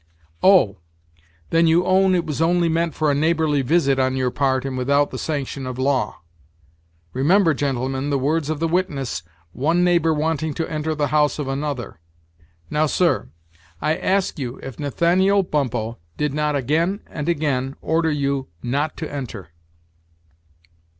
"Oh! then you own it was only meant for a neighborly visit on your part, and without the sanction of law. Remember, gentlemen, the words of the witness, 'one neighbor wanting to enter the house of another.' Now, sir, I ask you if Nathaniel Bumppo did not again and again order you not to enter?"